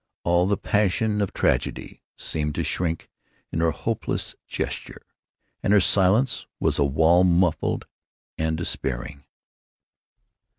All the passion of tragedy seemed to shriek in her hopeless gesture, and her silence was a wail muffled and despairing.